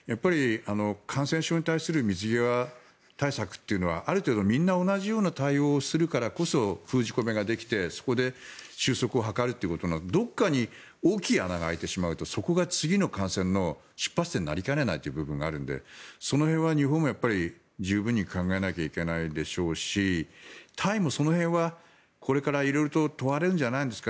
感染症に対する水際対策というのはある程度みんな同じような対応をするからこそ封じ込めができてそこで収束を図るということのどこかに大きな穴が開いてしまうとそこが次の感染の出発点になりかねない部分があるのでその辺は日本も十分に考えなきゃいけないでしょうしタイもその辺は、これから色々と問われるんじゃないですか。